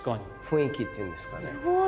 すごい。